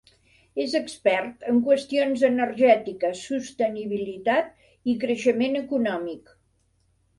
És expert en qüestions energètiques, sostenibilitat i creixement econòmic.